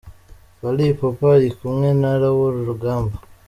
Fally Ipupa ari kumwe na Raoul Rugamba.